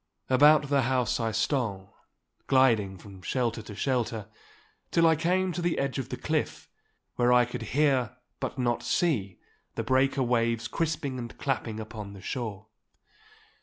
About the house I stole, gliding from shelter to shelter, till I came to the edge of the cliff, where I could hear, but not see, the breaker waves crisping and clapping upon the shore.